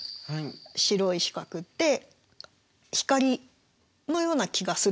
白い四角って光のような気がするじゃないですか？